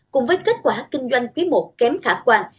cùng với kết quả kinh doanh quý i kém khả quan